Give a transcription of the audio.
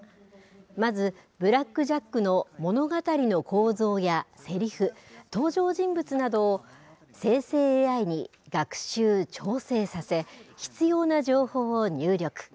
まず、ブラック・ジャックの物語の構造やせりふ、登場人物などを、生成ＡＩに学習、調整させ、必要な情報を入力。